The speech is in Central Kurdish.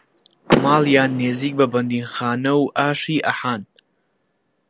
ماڵیان نێزیک بە بەندیخانەوو ئاشی ئەحان